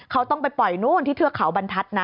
เขาต้องไปปล่อยนู่นที่เทือกเขาบรรทัศน์นะ